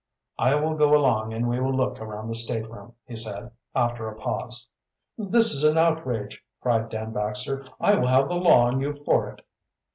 "I will go along and we will look around the stateroom," he said, after a pause. "This is an outrage!" cried Dan Baxter. "I will have the law on you for it."